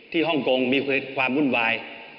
ฮ่องกงมีความวุ่นวาย